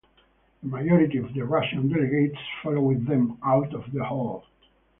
The majority of the Russian delegates followed them out of the hall.